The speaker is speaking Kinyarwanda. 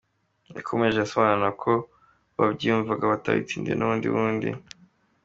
Yakomeje asobanura ko bo babyiyumvagamo batabitsindiriwe n’undi wundi.